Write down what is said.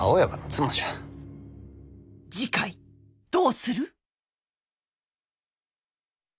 次回どうする？